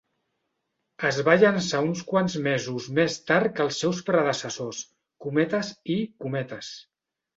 Es va llançar uns quants mesos més tard que els seus predecessors, "" i "".